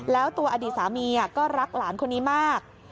แล้วตัวอดีตสามีก็รักหลานคนนี้มาก